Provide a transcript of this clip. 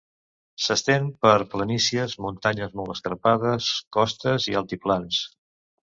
S'estén per planícies, muntanyes molt escarpades, costes i altiplans.